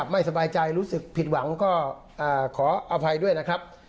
ไม่สบายใจรู้สึกผิดหวังก็ขออภัยด้วยนะครับ